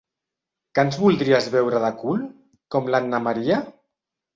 Que ens voldries veure de cul, com a l'Anna Maria?